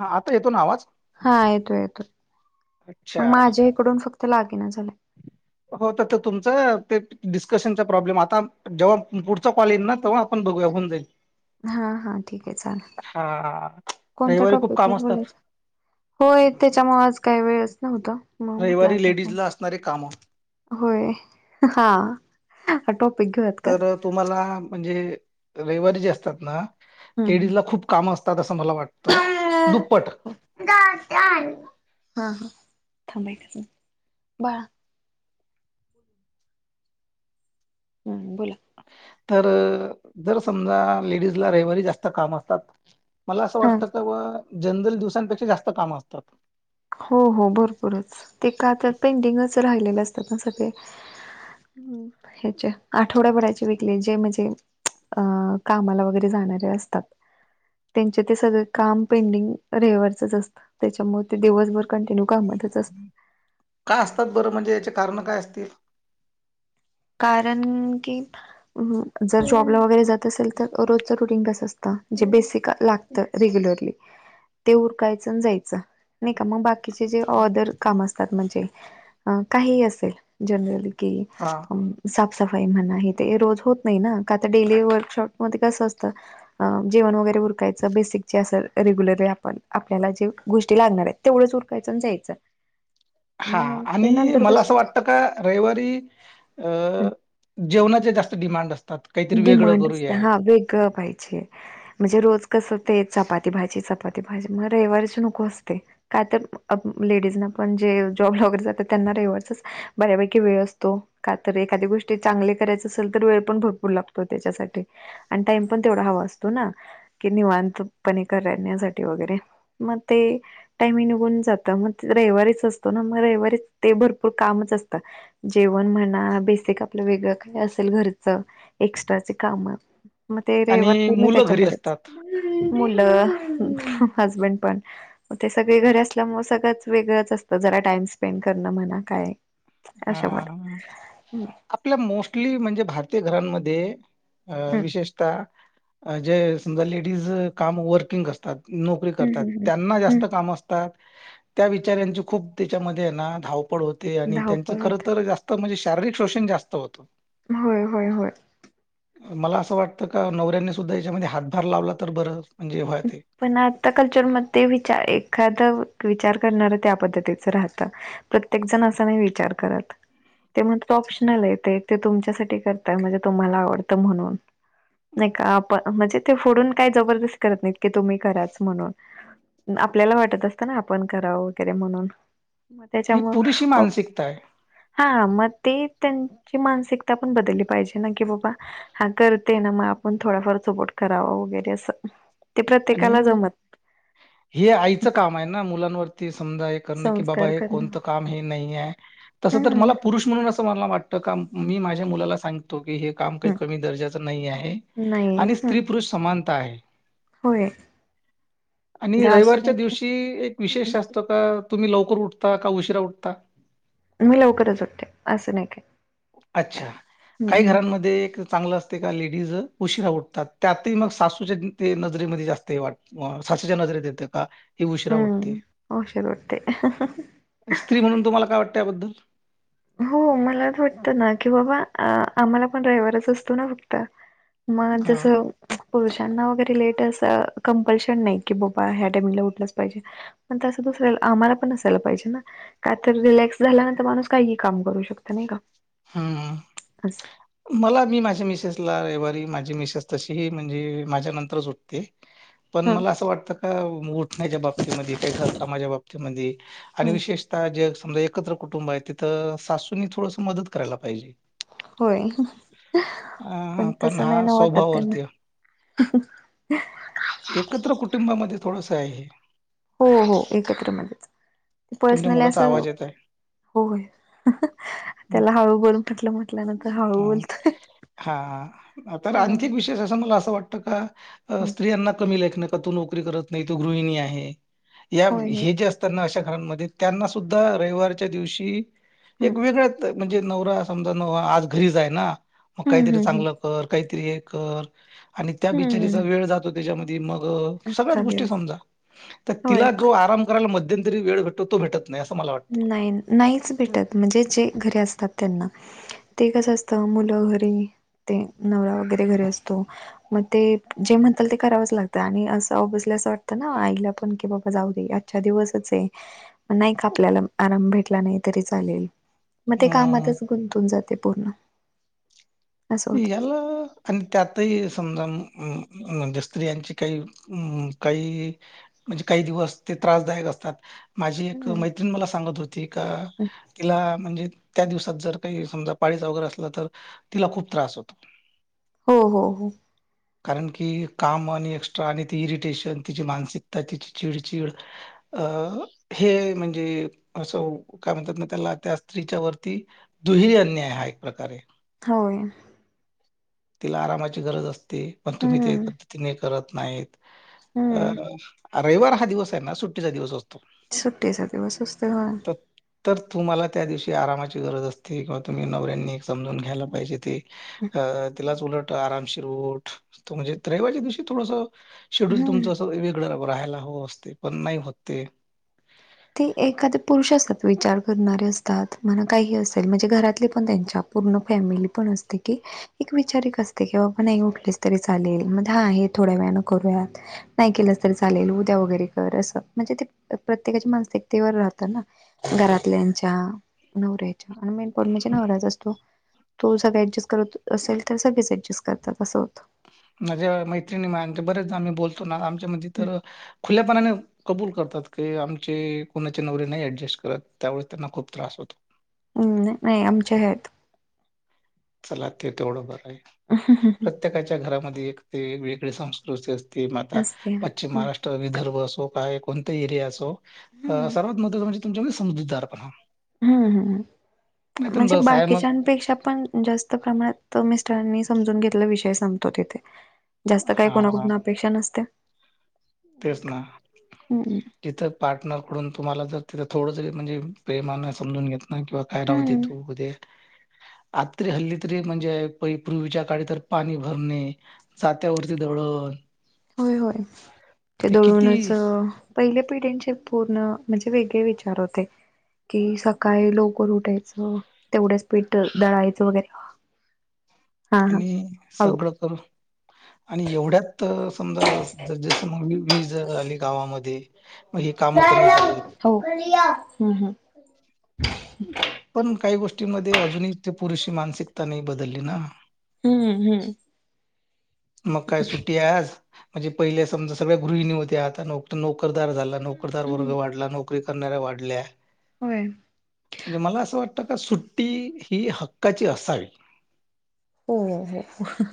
हा आता येतो ना आवाज हा येतोय येतोय अच्छा. मग माझ्या इकडून फक्त लागे ना झालंय. हो त त तुमचं ते डिस्कशनचा प्रॉब्लेम आता जेव्हा पुढचा कॉल येईल ना तेव्हा आपण बघूया होऊन जाईल. हा हा ठीक आहे चालेल हां, कोणत्या रविवारी खूप टॉपिक कामं वर असतात. बोलायचं. होय त्याच्यामुळ आज काय वेळच नव्हत. रविवारी लेडीज ला असणारे कामं होय हा हा टॉपिक घेऊयात का? तर तुम्हाला म्हणजे रयवारी जे असतात ना हम्म हम्म. लेडीज ला खूप काम असतात असं मला वाटतं दुप्पट हा हा थांबायच बाळा हम् बोला तर जर समजा लेडीजला रविवारी जास्त काम असतात मला असं हा वाटत तर जनरल दिवसांपेक्षा जास्त कामं असतात. हो हो भरपूरच ते का तर पेंडीगच राहिलेलं असतात ना सगळे. हं ह्याच्या आठवड्या भरायचे विकले जे म्हणजे अ कामाला वगैरे जाणारे असतात. त्यांचे ते सगळं काम पेंडिंग रयवारचंच असतं त्याच्यामुळ ते दिवसभर कंटिन्यू कामतच अस काय असतात बरं म्हणजे याचे कारणं काय असतील. कारण की, हं जर जॉबला वगैरे जात असेल तर रोजच रुटीन कस असत जे बेसिक लाग त रेग्युलरली ते उरकायचंअनं जायचं नाय का मग बाक किजे जे अदर काम असतात म्हणजे काहीही असेल जनरली कि हां. अ साफसफाई म्हणा हे ते रोज होत नाही ना का त डेली वर्कशॉप मध्ये कसं असतं अ जेवण वगैरे उरकायचं बेसिक जे असेल रेग्युलरली आपण आपल्याला जे गोष्टी लागणार आहेत. तेवढं उरकायचं आणी जायचं. हा मग ते आणि नंतर मला कसं असं होत वाटत का. रविवारी अ जेवणाचे जास्त डिमांड असतात. काहीतरी वेगळं डिमांड असत करूया हा वेगळं पाहिजे. म्हणजे रोज कस ते चपाती भाजी चपाती भाजी मग रविवारीची नको असते. काय तर लेडीज ना पण जे जॉब वगैरे जातात त्यांना रविवारच बऱ्यापैकी वेळ असतो का तर एखादी्या गोष्टी चांगली करायच असेल तर वेळ पण भेटतो. लागतो त्याच्यासाठी आणि टाइम पण तेवढा हवा असतो ना, कि निवांतपणे कर राण्यासाठी वगैरे मग ते, टायमी निघून जात मग रविवारीच असतो ना मग रविवारीच ते भरपूर कामच असतं. जेवण म्हणा बेसिक आपलं वेगळं काय असेल घरचं एक्स्ट्राचे काम मग ते रविवार आणि पूर्ण मुलं घरी त्याच्यामध्येच असतात मुलं हजबंड पण ते सगळे घरी असल्यामुळे सगळंच वेगळंच असतं जरा टाइम स्पेंड करणं म्हणा काय. हा अशामध्ये हम्म आपल्या मोस्टली म्हणजे भारतीय घरांमध्ये अ विशेषतः जे समजा लेडीज काम वर्किंग असतात. नोकरी हम्म करतात हम्म त्यांना जास्त हम्म काम असत. त्या विचऱ्यांची खूप त्याच्यामध्ये ना धावपड होते आणि त्यांच धावपळ खर होते स्त म्हणजे शारीरिक शोषण जास्त होत. होय होय होय. मला असं वाटतं का नवऱ्यांनी सुद्धा याच्यामध्ये हातभार लावला तर बरं म्हणजेव ते पण आता कल्चरमध्ये विचार एखादा विचार करणारं त्या पद्धतीच राहतं. प्रत्येक जण असा नाही विचार करत. ते म्हण तो ऑप्शनल येते ते तुमच्यासाठी करताय म्हणजे तुम्हाला आवडतं म्हणून नाही का आपण म्हणजे ते फोडून काय जबरदस्त करत नाहीत की तुम्ही कराच म्हणून आपल्याला वाटत असतं ना आपण करावं वगैरे म्हणून मग ही त्याच्यामु पुरेशी मानसिकता आहे हा मग ते त्यांची मानसिकता पण बदलली पाहिजे ना की बाबा हा करते ना मग आपण थोडाफार सपोट करावा वगैरे असं ते आणि प्रत्येकाला जमत हे आईचं काम आहे ना मुलांवरती समजा एक करण की बाबा संस्कार हे करणं कोणतं काम हे नाही आहे. तसं तर हम्म मला पुरुष म्हणून असं मला वाटतं का मी माझ्या मुलाला सांगतो की हे. काम काही हम् कमी दर्जाच नाही आहे नाही आणि हम् स्त्री पुरुष समानता आहे. होय. आणि ते असं रविवारच्या नाही की दिवशी एक विशेष हं, असतो का तुम्ही लवकर उठता का उशिरा उठता. मी लवकरच उठते असं नाही काय. अच्छा हम्म काही हम्म घरांमध्ये एक. चांगलं असते का लेडीज उशीरा उठतात त्यातही मग सासूच्या ते नजरेमध्ये जास्त हे वाट. सासूच्या नजरेत येतोय का. ही उशिरा उटते हम्म उशीर उठते स्त्री म्हणून तुम्हाला काय वाटतं याबद्दल. हो मला वाटतं ना की बाबा आम्हाला पण ड्रयव्हरच असतो ना फक्त. मग हा जस. पुरुषांना वगैरे लेट असं कंपल्शन नाही की बाबा ह्या टाइमला उठलंच पाहिजे. पण तं दुसला आम्हाला पण असायला पाहिजे ना काय तर रिलॅक्स झाल्यानंतर माणूस काही काम करू शकत नाही का. हा. अस. मला मी माझ्या मिसेसला रविवारी माझी मिसेस तशीही म्हणजे माझ्या नंतरच उठते. हा. पण हा मला असं वाटतं का उठण्याच्या बाबतीमध्ये काही घरकामाच्या बाबतीमध्ये आणि हम्म विशेष. आता जे समजा एकत्र कुटुंब आहे तिथं सासूंनी थोडस मदत करायला पाहिजे. होय. अ पण तस नाही हा ना वाटत त्यांना. स्वभावावरती आहे. एकत्र कुटुंबामध्ये थोडसं आहे. हो हो एकत्रमध्येणच. ते तुमच्या पर्सनली मुलाचा असं आवाज येत आहे होय त्याला हळू बून पटलं. ह हा तर हम्म, आणखिक विशेष असं मला असं वाटतं का? स्त्रियांना कमी लेख न का तू नोकरी करत नाही तो गृहिणी आहे या होय होय. हे जे अस. ना अशा घरांमध्ये त्यांना सुद्धा रविवारच्या दिवशी हम्म एक वेगळ्या. म्हणजे नवरा समजा न आज घरीच आहे ना मग हम्म काहीतरी हम्म चांगलं. कर काहीतरी हे कर आणि त्या हम्म बिचारीचा हम्म वेळ जातो त्याच्यामध्ये मग. सगळ्याच अख्खा गोष्टी दिवस समजा तर होय तिला जो आराम करायला मध्यंतरी वेळ भेटतो तो भेटत नाही असं मला वाटतं. नाही नाहीच भेटत म्हणजे जे घरी असतात त्यांना ते कसं असतं मुलं घरी ते नवरा वगैरे घरी असतो. मग ते जे म्हणताात ते करावंच लागतं आणि अस बजल्या असं वाटतं ना आईला पण की बाबा जाऊ दे. अच्छा दिवसच आहे नाही. आपल्याला आराम भेटला नाही तरी चालेल मग ते अं, कामातच गुंतून जाते पूर्ण. असं होत. एला. आणि त्यातही समजा म्हणजे स्त्रियांची काही काही. म्हणजे काही दिवस ते त्रासदायक असतात माझी एक हम्म मैत्रीण मला सांगत होते. ठी का तिला म्हणजे त्या दिवसात जर काही समजा पाळीचा वगैरे असला तर तिला खूप. त्रास होतो. हो हो हो. कारण की काम आणि एक्स्ट्रा आणि ती इरिटेशन तिची मानसिकता तिची चिडचिड. अ हे म्हणजे असं काय म्हणतात ना त्याला त्या स्त्रीच्या वरती दुहिरी अन्याय हा एक प्रकारे. होय. तिला आरामाची गरज असते पण तुम्ही ते हम्म पद्धतीने करत नाहीत अ. हम्म रविवार हा दिवस आहे ना सुट्टीचा दिवस असतो. सुट्टीचा दिवस असतोय होय. सत [unintelligible] तर तुम्हाला त्या दिवशी आरामाची गरज असते किंवा तुम्ही नवऱ्यांनी समजून घ्यायला पाहिजे ते अ [unintelligible] उलट उठ हम्म उलट आरामशीर उठ रविवार म्हणजे तुमचं थोडसं हम्म. शेड्युल गड राहायला होऊ असते पण नाही होते. ते एखादे पुरुष असतात विचार करणारे असतात म्हणा काही असेल म्हणजे घरातले पण त्यांच्या पूर्ण फॅमिली पण असते की एक विचारिक असते की बाबा नाही उठलेच तरी चालेल मग हा हे थोड्या वेळाने करूयात. नाही केलंस तर चालेल उद्या वगैरे कर असं म्हणजे ते प्रत्येकाच्या प्र्यतेवर राहत ना घरातल्यांच्या नवऱ्याच्या आणि मेन पॉडण्याच्या नवऱ्याचा असतो. तो सगळे ऍडजस्ट करत असेल तर सगळेच अँडजस्ट करतात असं होतं. माझ्या मैत्रिणी बरेच आम्ही बोलतो ना आमच्या मध्ये तर खुल्यापणाने. कबूल करतात क आमचे कोणाचे नवरे नाही ऍडजस्ट करत त्यावे त्यांना खूप त्रास होतो. हम् नाही आमच्या आहेत. चला ते तेवढं बरं आहे. ह ह ह ह [unintelligible] प्रत्येकाच्या घरामध्ये एक ते वेगळी संस्कृती असते मग आता असते पश्चिम हम्म महाराष्ट्र विदर्भ असो काय कोणतहि एरिया असो सर्वात महत्वाच म्हणजे तुमच्या समजदार पण हम्म म्हणजे बस आहे मग बाकीच्यापेक्षा पण जास्त प्रमा मिस्टरांनी समजून घेतला विषय सांगतो तिथे जास्त काही हा कोणाकुठून अपेक्षा नसते. नाही तेच का? ना. हम्म तिथं पार्टनरकडून तुम्हाला जर तिथं थोडं जरी म्हणजे प्रेमान समजून घेत नाही किंवा काय राहू दे हम्म तू आता तरी हल्ली तरी म्हणजे पै पूर्वीच्या काळी तर पाणी भरणे जात्या वरती दळण होय होय, ते दळूनच पहिले पिढींचे पूर्ण, म्हणजे वेगळे विचार होते. की काय लवकर उठायचं, तेवढ्या स् पीठ दळायचं वगैरे हा हा आणि हळू सगळं करून आणि एवढ्यात समजा जस मग मी वीज आली गावामध्ये, मग ही कामं कमी झालीत. हो हम्म हम्म. पण काही गोष्टीमध्ये अजूनही ते पुरुष मानसिकता नाही बदलली ना. हम्म हम्म. मग काय सुट्टी आहे आज, म्हणजे पहिले समजा सगळ्या गृहिणी होत्या. आता नोक नोकरदार झाला, नोकरदार हम्म वर्ग वाढला, नोकरी करणाऱ्या वाढल्या. होय. म्हणजे मला असं वाटतं का सुट्टी ही हक्काची असावी. हो हो हो.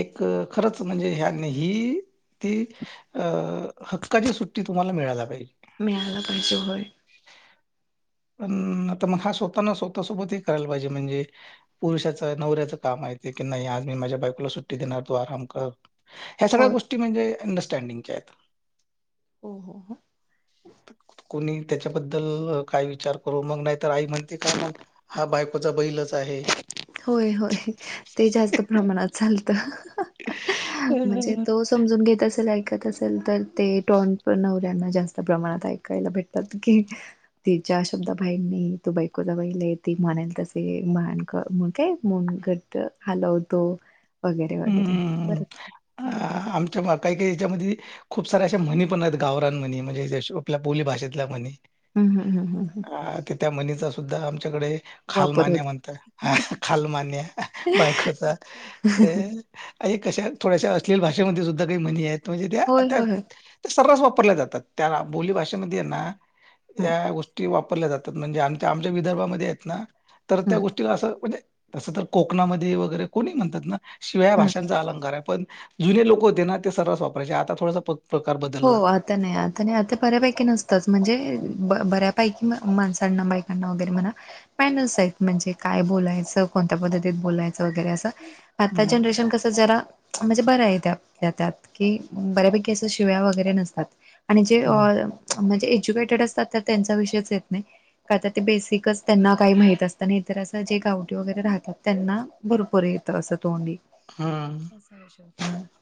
एक खरंच म्हणजे ह्यानी ही ती अ हक्काची सुट्टी तुम्हाला मिळायला पाहिजे. मिळायला पाहिजे होय. पण आता मग हा स्वतः ना स्वतः सोबतही करायला पाहिजे म्हणजे पुरुषाचं, नवऱ्याचं काम आहे ते की नाही आज मी माझ्या बायको तूला सुट्टी देणार, तू आराम कर. ह्या सगळ्या होय गोष्टी म्हणजे अंडरस्टँडिंगच्या आहेत. ओ हो हो. कोणी त्याच्याबद्दल काय विचार करू मग नाहीतर आई म्हणते का मग हा बायकोचा बैलच आहे. होय होय ते जास्त प्रमाणात चालतं. म्हणजे हम्म तो समजून घेत असेल, ऐकत असेल तर ते टॉन नवऱ्यांना जास्त प्रमाणात ऐकायला भेटतात की. तिच्या शब्दा बाहेर नई तो बायकोचा बैल आहे. ती म्हणेल तसे माण मग काय? मनगट्ट हलवतो वगैरे वगैरे बर ह आमच्या काही काही याच्यामध्ये खूप सार्या अशा म्हणी पण हायत गावरान म्हणी म्हजे, अश्या आपल्या बोली भाषेतल्या म्हणी. हम्म हम्म हम्म हम्म हम्म. की त्या म्हणीचा सुद्धा आमच्याकडे वापर होत खालमान्या म्हणता, खालमान्या बायकोचा. कशा थोड्याशा अस्लील भाषेमध्ये सुद्धा काही म्हणी आहेत, म्हणजे त्या होय आता होय होय सर्रास वापरल्या जातात, त्या बोली भाषेत मध्ये हम्म नाया गोष्टी वापरल्या जातात. म्हणजे आमच्या आमच्या विदर्भामध्ये आहेत ना तर त्या हम्म गोष्टीला असं म्हणजे तसं तर कोकणामध्ये वगैरे कोणी म्हणतात ना शिवाय या हम्म. भाषांचा अलंकार आहे पण जुने लोक होते ना ते सर्रास वापरायचे. आता थोडसां प प्रकार हो. बदलला आ तर नाही आता नाही आता बऱ्यापैकी नसतच म्हणजे बऱ्यापैकी माणसांना, बायकांना वगैरे म्हणा पाय नस हायत म्हणजे काय बोलायचं, कोणत्या पद्धतीत बोलायचं वगैरे असं आता हम्म जनरेशन कस जरा म्हणजे बरंय त्यातल्या त्यात की, बऱ्यापैकी अस शि्व्या वगैरे नसतात. आणि जे अ हम्म. -म्हणजे एज्युकेटेड असतात तर त्यांचा विषयच येत नाही. काय तर ते बेसिकच त्यांना काही माहित असत नाहीतर असं जे गावटी वगैरे राहतात त्यांना भरपूर येत असं तोंडी. हम्म. [unintelligible]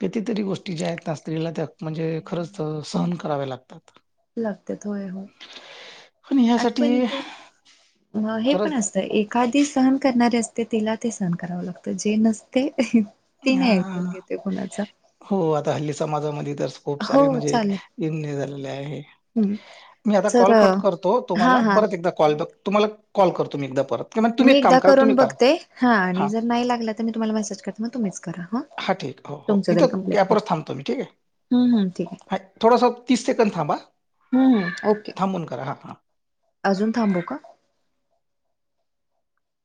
कितीतरी गोष्टी ज्या आहेत ना स्त्रीला त्या म्हणजे खरंच सहन कराववे्या लागतात. लगते होय हो आणि आठ ह्यासाठी पण ते हे पण खरंच असतं एक एखादी सहन करणारे असते तिला ते सहन करावं लागतं जे नसते. ति अ नाही ऐकून घेते कुणाच. हो आता हल्ली समाजामध्ये तर खूप हो साऱ्या म्हणजे चालेल यम्य झालेले आहे. हं. मी आता तर कॉल कट हां, करतो तुम्हाला हां. परत एकदा कॉल बॅक तुम्हाला कॉल करतो मी एकदा परत. किंवा तुम्ही मी एक काम एकदा करा करून तुम्ही करा बघते हा आणि हां जर नाही लागला तर मी तुम्हाला मेसेज करते मग तुम्हीच करा. हा ठीक हो हो तुमचं तरी इथं कंप्लीट करू. गपच थांबतो मी ठीक आहे. हं, हं. ठीक आहे. हा थोडासा तीस सेकड थांबा हं, हं. ओके. थांबून करा हा हा. अजून थांबू का